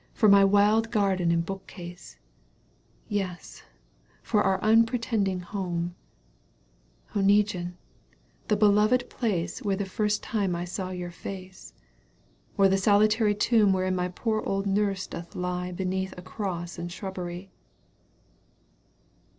For my wild garden and bookcase, — Yes ! for our unpretending home, Oneguine — the beloved place Where the first time I saw your face, — Or for the solitary tomb Wherein my poor old nurse doth lie Beneath a cross and shrubbery.